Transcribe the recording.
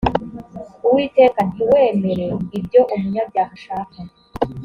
uwiteka ntiwemere ibyo umunyabyaha ashaka